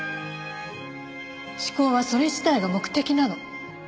思考はそれ自体が目的なの。